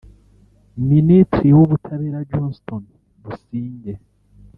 Minitri w’ubutabera Johnston Busingye